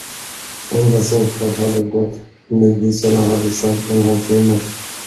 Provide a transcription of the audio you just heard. Endast en kvart hade gått, men Gisela hade sagt en halvtimme.